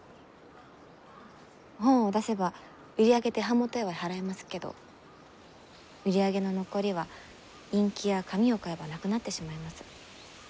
本を出せば売り上げで版元へは払えますけど売り上げの残りはインキや紙を買えばなくなってしまいます。